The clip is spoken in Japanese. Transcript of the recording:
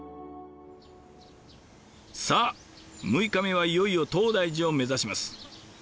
さあ６日目はいよいよ東大寺を目指します。